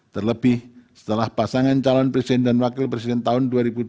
terlebih setelah pasangan calon presiden dan wakil presiden tahun dua ribu dua puluh